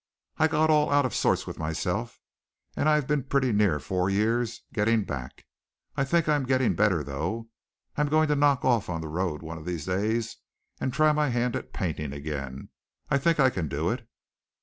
I got all out of sorts with myself and I've been pretty near four years getting back. I think I am getting better, though. I'm going to knock off on the road one of these days and try my hand at painting again. I think I can do it."